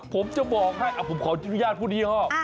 ผมจะบอกให้ผมขออนุญาตพูดยี่ห้อ